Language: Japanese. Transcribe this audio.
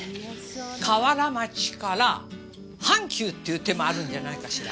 河原町から阪急っていう手もあるんじゃないかしら。